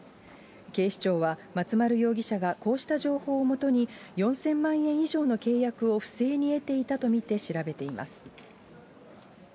警視庁は松丸容疑者がこうした情報をもとに、４０００万円以上の契約を不正に得ていたと見て調べています。